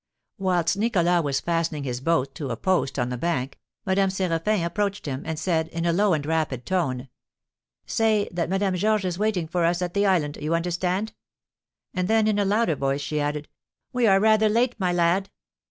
Whilst Nicholas was fastening his boat to a post on the bank, Madame Séraphin approached him, and said, in a low and rapid tone: "Say that Madame Georges is waiting for us at the island, you understand?" And then, in a louder voice, she added, "We are rather late, my lad."